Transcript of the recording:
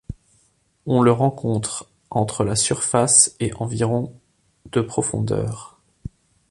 On le rencontre entre la surface et environ de profondeur.